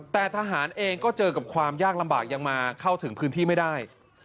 แต่ทหารเองก็เจอกับความยากลำบากยังมาเข้าถึงพื้นที่ไม่ได้